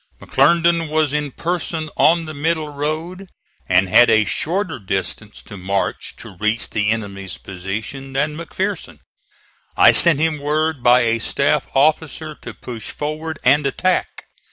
McClernand was in person on the middle road and had a shorter distance to march to reach the enemy's position than McPherson. I sent him word by a staff officer to push forward and attack.